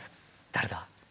誰だ。